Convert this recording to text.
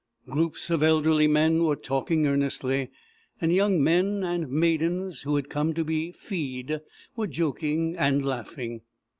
Groups of elderly men were talking earnestly; and young men and maidens who had come to be fee'd, were joking and laughing.